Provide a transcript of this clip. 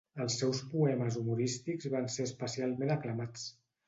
Els seus poemes humorístics van ser especialment aclamats.